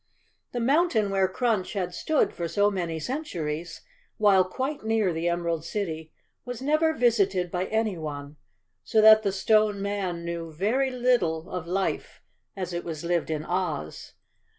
The mountain where Crunch had stood for so many centuries, while quite near the Emerald City, was never visited by anyone, so that the Stone Man knew very little of life as it was lived in Oz.